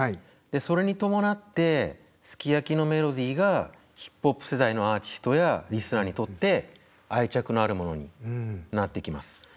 それに伴って「ＳＵＫＩＹＡＫＩ」のメロディーがヒップホップ世代のアーティストやリスナーにとって愛着のあるものになってきます。